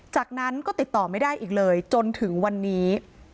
จากนั้นก็ติดต่อไม่ได้อีกเลยจนถึงวันนี้